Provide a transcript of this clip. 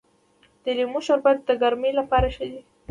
د لیمو شربت د ګرمۍ لپاره ښه دی.